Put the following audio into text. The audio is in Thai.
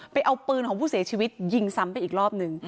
ไปเอาปืนของผู้เสียชีวิตยิงซ้ำไปอีกรอบหนึ่ง